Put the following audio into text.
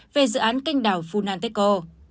về dự án canh đảo funanteko